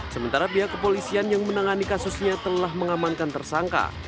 sementara pihak kepolisian yang menangani kasusnya telah mengamankan tersangka